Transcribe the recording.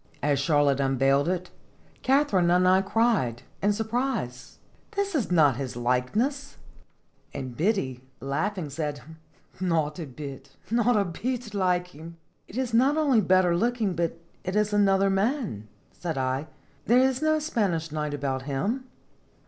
As Charlotte unveiled it, Katharine and I cried, in surprise :" This is not his likeness !" And Biddy, laughing, said: " Not a bit, not a bit like him!" "It is not only better looking, but it is another man," said I ; "there is no Spanish knight about him."